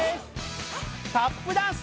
タップダンス！